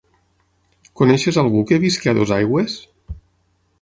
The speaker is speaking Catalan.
Coneixes algú que visqui a Dosaigües?